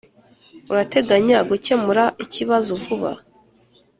urateganya gukemura ikibazo vuba?